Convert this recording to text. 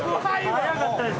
早かったです